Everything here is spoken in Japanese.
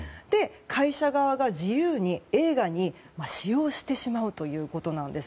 会社側が自由に映画に使用してしまうということなんです。